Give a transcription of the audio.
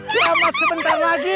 kiamat sebentar lagi